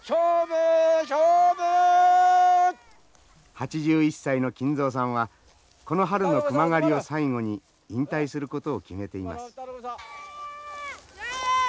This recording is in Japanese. ８１歳の金蔵さんはこの春の熊狩りを最後に引退することを決めています。